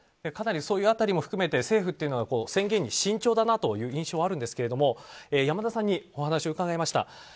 かなりそういう辺りも含めて政府というのは宣言に慎重だなという印象はあるんですけど山田さんにお話を伺いました。